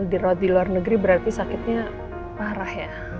dirawat di luar negeri berarti sakitnya parah ya